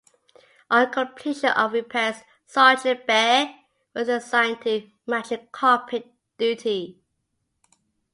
On completion of repairs, "Sargent Bay" was assigned to "Magic Carpet" duty.